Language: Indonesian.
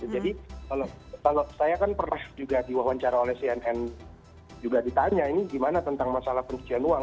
kalau saya kan pernah juga diwawancara oleh cnn juga ditanya ini gimana tentang masalah pencucian uang